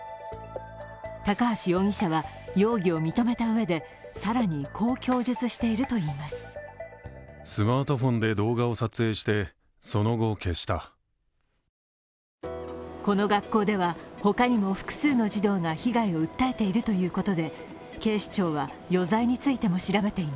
高橋容疑者は、容疑を認めたうえでさらにこう供述しているといいます。